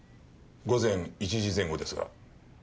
午前１時前後ですが。